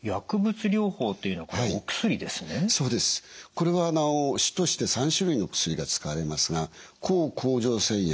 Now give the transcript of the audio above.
これは主として３種類の薬が使われますが抗甲状腺薬